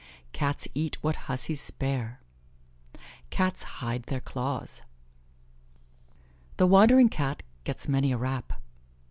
"Cats eat what hussies spare." "Cats hide their claws." "The wandering Cat gets many a rap."